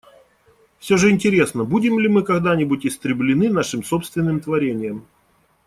Всё же интересно, будем ли мы когда-нибудь истреблены нашим собственным творением.